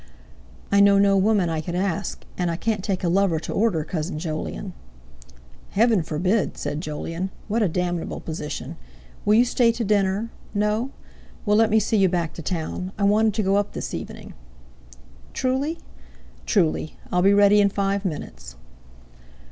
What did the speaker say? "I know no woman I could ask; and I can't take a lover to order, Cousin Jolyon." "Heaven forbid!" said Jolyon. "What a damnable position! Will you stay to dinner? No? Well, let me see you back to town; I wanted to go up this evening." "Truly?" "Truly. I'll be ready in five minutes."